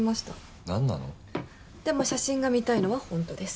でも写真が見たいのは本当です。